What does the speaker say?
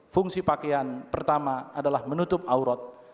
fungsi pakaian pertama adalah menutup aurot